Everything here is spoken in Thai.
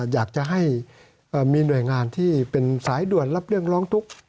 อยากจะให้มีหน่วยงานที่เป็นสายด่วนรับเรื่องร้องทุกข์